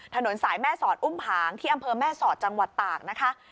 ถนนสายแม่สอดอุ้มผางที่อำเภอแม่สอดจังหวัดตากนะคะ